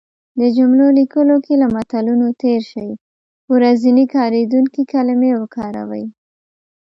د جملو لیکلو کې له متلونو تېر شی. ورځنی کارېدونکې کلمې وکاروی